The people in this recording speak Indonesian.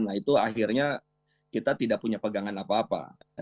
nah itu akhirnya kita tidak punya pegangan apa apa